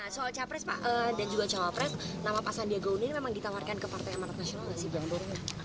soal capres dan juga caopres nama pak sandiaga unin memang ditawarkan ke partai emanat nasional